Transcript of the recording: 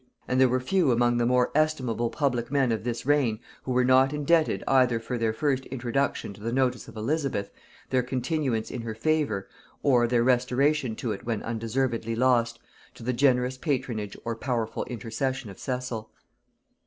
And there were few among the more estimable public men of this reign who were not indebted either for their first introduction to the notice of Elizabeth, their continuance in her favor, or their restoration to it when undeservedly lost, to the generous patronage or powerful intercession of Cecil.